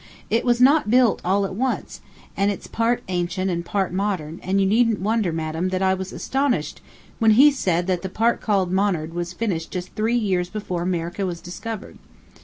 It was not built all at once, and it's part ancient and part modern, and you needn't wonder, madam, that I was astonished when he said that the part called modern was finished just three years before America was discovered.